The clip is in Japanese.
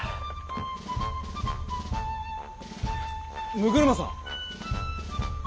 六車さん。